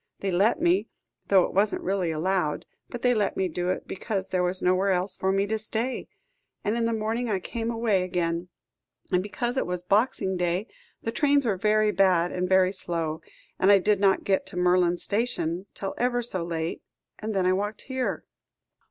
They let me though it wasn't really allowed but they let me do it, because there was nowhere else for me to stay; and in the morning I came away again, and because it was Boxing Day, the trains were very bad and very slow, and I did not get to Merlands Station till ever so late; and then I walked here."